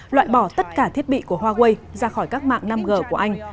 loại bỏ tất cả thiết bị của huawei ra khỏi các mạng năm g của anh